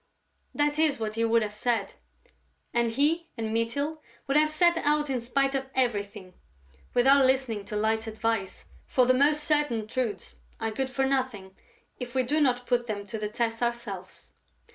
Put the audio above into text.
That is what he would have said; and he and Mytyl would have set out in spite of everything, without listening to Light's advice, for the most certain truths are good for nothing if we do not put them to the test ourselves.